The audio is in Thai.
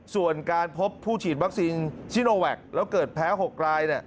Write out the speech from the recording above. ส่วนการพบผู้ฉีดวัคซีนชิโนแวคแล้วเกิดแพ้๖ราย